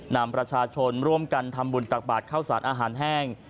นำประชาชนร่วมกันทำบุญตักบาทเข้าสารอาหารแห้ง